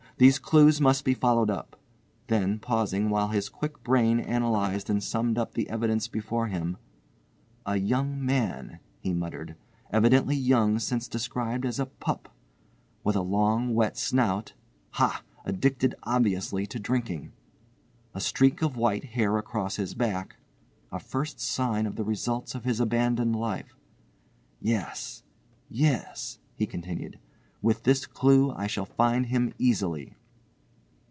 "These clues must be followed up," then pausing, while his quick brain analysed and summed up the evidence before him—"a young man," he muttered, "evidently young since described as a 'pup,' with a long, wet snout (ha! addicted obviously to drinking), a streak of white hair across his back (a first sign of the results of his abandoned life)—yes, yes," he continued, "with this clue I shall find him easily."